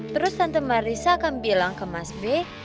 terus tante marissa akan bilang ke mas be